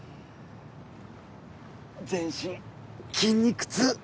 全身筋肉痛。